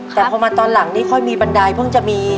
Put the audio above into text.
แต่พอมาตอนหลังนี่ค่อยมีบันไดเพิ่งจะมี